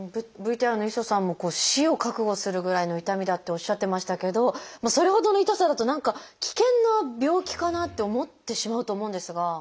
ＶＴＲの磯さんも死を覚悟するぐらいの痛みだっておっしゃってましたけどそれほどの痛さだと何か危険な病気かなって思ってしまうと思うんですが。